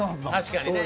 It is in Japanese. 確かにね。